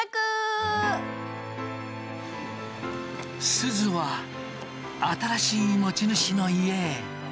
すずは新しい持ち主の家へ。